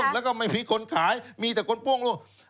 ล่วง